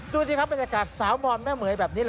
ดูสิครับรุ่นที่สงกรานุมีผู้ชายแม่เมื่อยแบบนี้